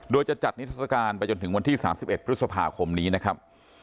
โดยจะจัดนิทัศกาลไปจนถึงวันที่๓๑พฤษภาคมนี้นะครับ